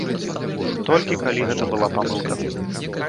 Толькі калі гэта была памылка.